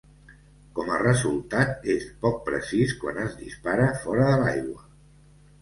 Com a resultat, és poc precís quan es dispara fora de l'aigua.